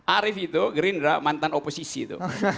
arief itu gerindra mantan oposisi itu